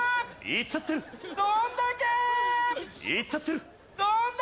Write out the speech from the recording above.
いっちゃってるー。